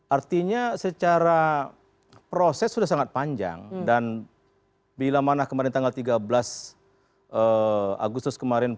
artinya secara proses sudah sangat panjang dan bila mana kemarin tanggal tiga belas agustus kemarin